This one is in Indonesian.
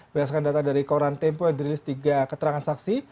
berdasarkan data dari koran tempo yang dirilis tiga keterangan saksi